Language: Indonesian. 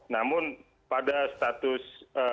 namun pada status